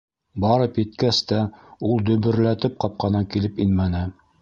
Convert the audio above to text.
Барып еткәс тә, ул дөбөрләтеп ҡапҡанан килеп инмәне.